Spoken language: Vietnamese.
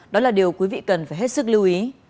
đó là điều quý vị cần phải hết sức lưu ý